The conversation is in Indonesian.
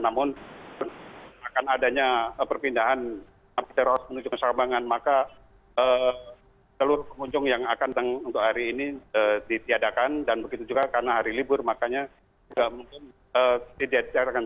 namun akan adanya perpindahan napi teroris menuju nusa kambangan maka seluruh pengunjung yang akan untuk hari ini ditiadakan dan begitu juga karena hari libur makanya tidak mungkin ditiadakan